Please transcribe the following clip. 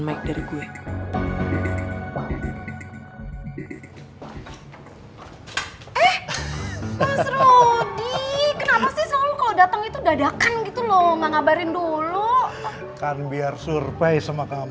biar aku sekalian pesenin mas ya